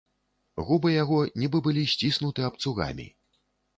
Губы яго нібы былі сціснуты абцугамі.